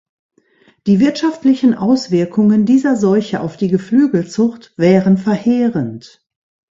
Die wirtschaftlichen Auswirkungen dieser Seuche auf die Geflügelzucht wären verheerend.